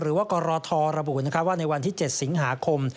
กรทระบุว่าในวันที่๗สิงหาคม